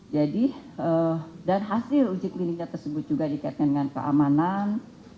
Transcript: jadi dan hasil uji kliniknya tersebut juga dikaitkan dengan keamanan